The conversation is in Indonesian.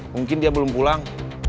mungkin dia belum pulang